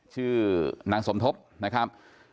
ชื่อนางสมทบนะครับ